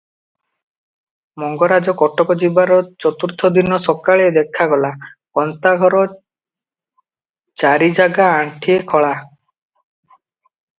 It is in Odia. ମଙ୍ଗରାଜ କଟକ ଯିବାର ଚତୁର୍ଥ ଦିନ ସକାଳେ ଦେଖାଗଲା, ଗନ୍ତାଘର ଚାରିଜାଗା ଆଣ୍ଠିଏ ଖୋଳା ।